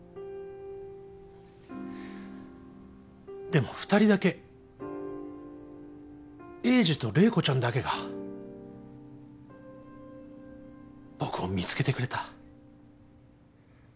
でも２人だけ栄治と麗子ちゃんだけが僕を見つけてくれた。